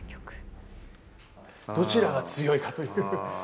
どちらが強いかという。